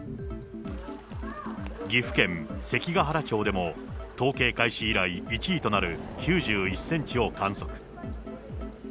岐阜県関ケ原町でも統計開始以来１位となる９１センチを観測。